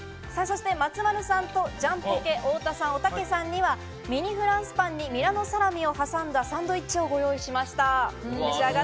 松丸さんとジャンポケ・太田さん、おたけさんにはミニフランスパンにミラノサラミを挟んだサンドイッチをご用意しました。